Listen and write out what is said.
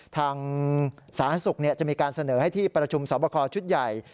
ทางสาธารณสุขจะมีการเสนอให้ที่ประชุมสอบคอชุดใหญ่